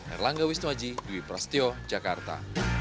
erlangga wisnuaji dwi prasetyo jakarta